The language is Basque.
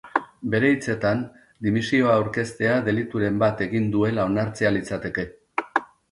Bere hitzetan, dimisioa aurkeztea delituren bat egin duela onartzea litzateke.